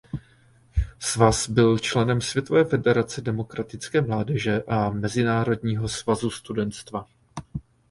Svaz byl členem Světové federace demokratické mládeže a Mezinárodního svazu studentstva.